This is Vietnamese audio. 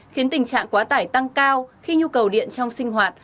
khiến tình trạng quá tải tăng cao khi nhu cầu điện trong sinh hoạt